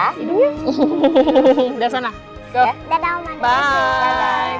kamu benar din